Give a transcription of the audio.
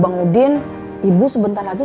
berapa ini buah aspirations sih nih